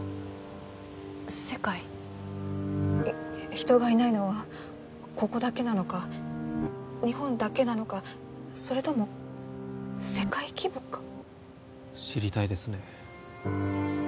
人がいないのはここだけなのか日本だけなのかそれとも世界規模か知りたいですね